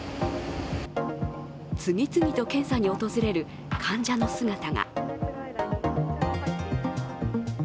次々と検査に訪れる患者の姿が。